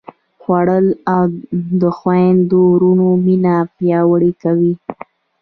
خوړل د خویندو وروڼو مینه پیاوړې کوي